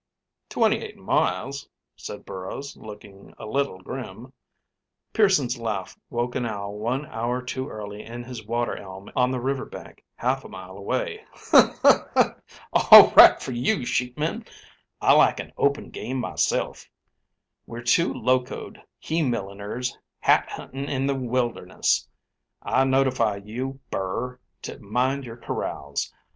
"Twenty eight miles," said Burrows, looking a little grim. Pearson's laugh woke an owl one hour too early in his water elm on the river bank, half a mile away. "All right for you, sheepman. I like an open game, myself. We're two locoed he milliners hat hunting in the wilderness. I notify you. Burr, to mind your corrals.